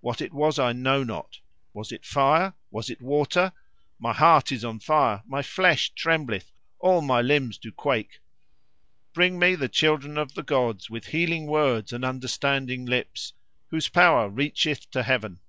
What it was, I know not. Was it fire? was it water? My heart is on fire, my flesh trembleth, all my limbs do quake. Bring me the children of the gods with healing words and understanding lips, whose power reacheth to heaven."